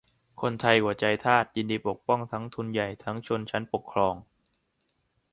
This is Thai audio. คนไทยหัวใจทาสยินดีปกป้องทั้งทุนใหญ่ทั้งชนชั้นปกครอง